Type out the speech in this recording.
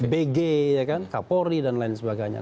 bg kapolri dan lain sebagainya